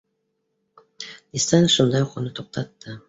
Дистанов шунда уҡ уны туҡтатты: